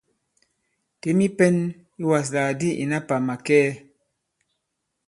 Těm i pɛ̄n i wàslàk di ìna pà màkɛɛ!